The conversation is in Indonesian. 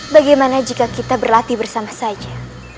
bagaimana jika kita berlatih bersama saja